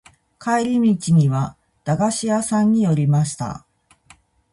帰り道には駄菓子屋さんに寄りました。